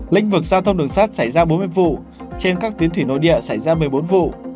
lĩnh vực giao thông đường sắt xảy ra bốn mươi vụ trên các tuyến thủy nội địa xảy ra một mươi bốn vụ